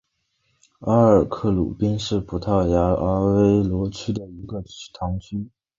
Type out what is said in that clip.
阿尔克鲁宾是葡萄牙阿威罗区的一个堂区。